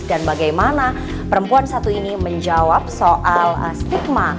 bagaimana perempuan satu ini menjawab soal stigma